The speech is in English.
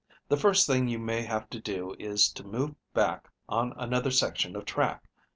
The first thing you may have to do is to move back on another section of track.